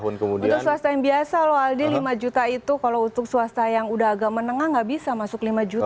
untuk swasta yang biasa loh aldi lima juta itu kalau untuk swasta yang udah agak menengah nggak bisa masuk lima juta